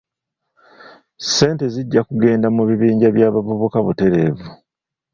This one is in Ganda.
Ssente zijja kugenda mu bibinja by'abavubuka butereevu.